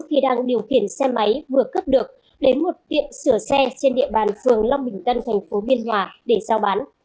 khi đang điều khiển xe máy vừa cướp được đến một tiệm sửa xe trên địa bàn phường long bình tân thành phố biên hòa để giao bán